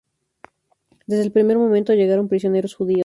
Desde el primer momento llegaron prisioneros judíos.